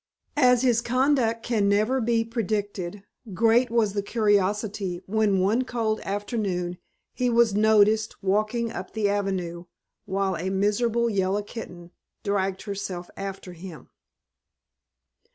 As his conduct can never be predicted, great was the curiosity when one cold afternoon he was noticed walking up the avenue while a miserable yellow kitten dragged herself after him.